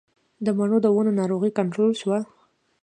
د مڼو د ونو ناروغي کنټرول شوه؟